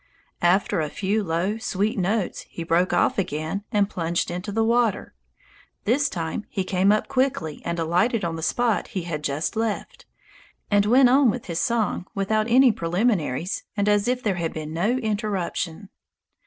After a few low, sweet notes he broke off again and plunged into the water. This time he came up quickly and alighted on the spot he had just left, and went on with his song without any preliminaries and as if there had been no interruption.